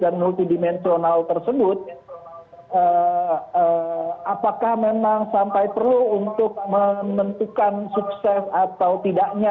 multidimensional tersebut apakah memang sampai perlu untuk menentukan sukses atau tidaknya